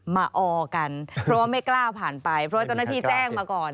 ออกันเพราะว่าไม่กล้าผ่านไปเพราะว่าเจ้าหน้าที่แจ้งมาก่อน